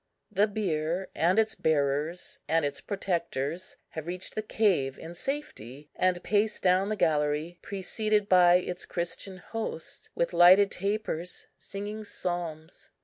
The bier and its bearers, and its protectors, have reached the cave in safety, and pace down the gallery, preceded by its Christian hosts, with lighted tapers, singing psalms.